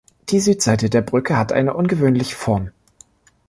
Die Südseite der Brücke hat eine ungewöhnlich Form.